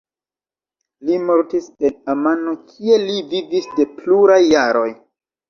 Li mortis en Amano kie li vivis de pluraj jaroj.